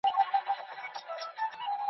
موږ باید ټولنیز بدلونونه درک کړو.